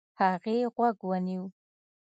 هغې غوږ ونيو.